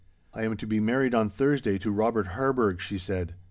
'I am to be married on Thursday to Robert Harburgh!' she said.